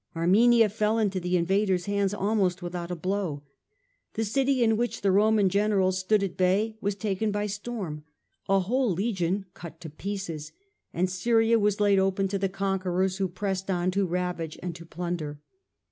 Armenia fell into the invaders' hands almost without a blow. The city in which the Roman general stood at bay was taken by storm ; a whole legion cut to pieces ; and Syria was laid open to the conquerors, who pressed on to ravage and to plunder.